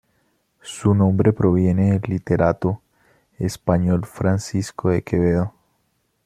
Su nombre proviene del literato español Francisco de Quevedo.